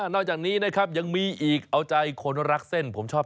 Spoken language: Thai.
นอกจากนี้นะครับยังมีอีกเอาใจคนรักเส้นผมชอบ